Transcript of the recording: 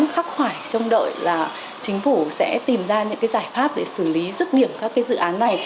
khắc khoải trong đợi là chính phủ sẽ tìm ra những cái giải pháp để xử lý rứt điểm các cái dự án này